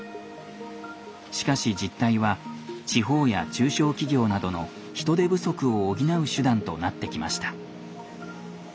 しかし実態は地方や中小企業などの人手不足を補う手段となってきました。